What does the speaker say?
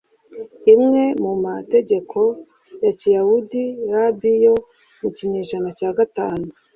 imwe mu mategeko ya Kiyahudi rabi yo mu kinyejana cya gatanu